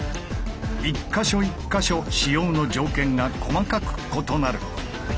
一か所一か所使用の条件が細かく異なる。